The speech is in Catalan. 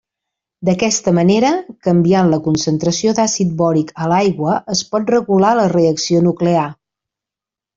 D'aquesta manera, canviant la concentració d'àcid bòric a l'aigua es pot regular la reacció nuclear.